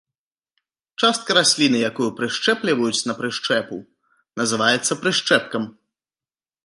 Частка расліны, якую прышчэпліваюць на прышчэпу, называецца прышчэпкам.